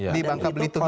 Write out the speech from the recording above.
di bangka belitung itu